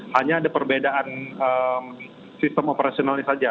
hanya ada perbedaan sistem operasionalnya saja